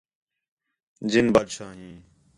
جِن بادشاہ ہیں